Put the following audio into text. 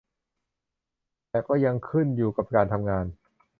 แต่ก็ยังขึ้นอยู่กับการทำงาน